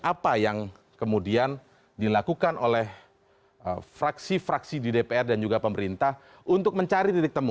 apa yang kemudian dilakukan oleh fraksi fraksi di dpr dan juga pemerintah untuk mencari titik temu